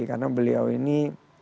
karena beliau ini